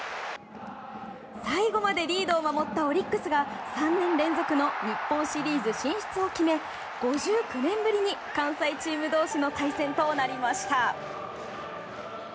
最後までリードを守ったオリックスが３年連続の日本シリーズ進出を決め５９年ぶりに関西チーム同士の対戦となりました。